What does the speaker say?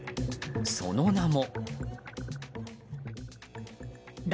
その名も。